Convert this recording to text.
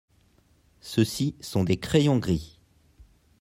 Ceux-ci sont des crayons gris.